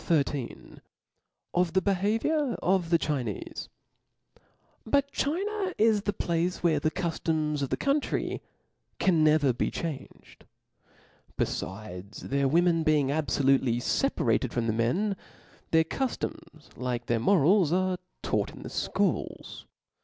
xiir. Of the Behaviour of the Chinefe. T> U T China is the place where the cuftoms of •*^ the country can never be changed. Befides, their women being abfolutely feparated from the men, their cuftoms, like their morals, are taught in C) Da the fchools.